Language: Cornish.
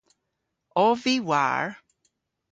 Ov vy war?